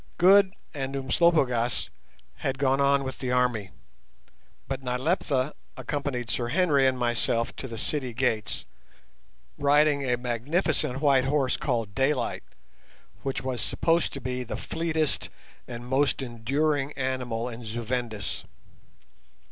Good and Umslopogaas had gone on with the army, but Nyleptha accompanied Sir Henry and myself to the city gates, riding a magnificent white horse called Daylight, which was supposed to be the fleetest and most enduring animal in Zu Vendis.